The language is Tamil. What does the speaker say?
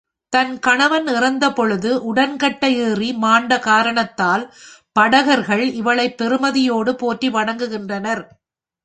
தன் கணவன் இறந்த பொழுது உடன்கட்டை ஏறி மாண்ட காரணத்தால், படகர்கள் இவளைப் பெருமதிப்போடு போற்றி வணங்குகின்றனர்.